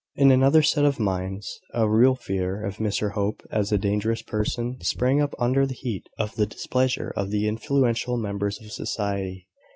In another set of minds, a real fear of Mr Hope, as a dangerous person, sprang up under the heat of the displeasure of the influential members of society.